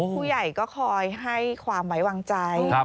ผู้ใหญ่ก็คอยให้ความไว้วางใจ